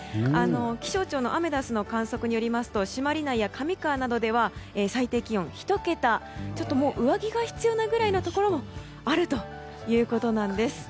気象庁のアメダスの観測によりますと朱鞠内や上川などでは最低気温１桁ちょっと上着が必要なくらいのところもあるということなんです。